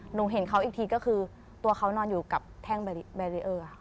หนูเห็นเขาอีกทีก็คือตัวเขานอนอยู่กับแท่งแบรีเออร์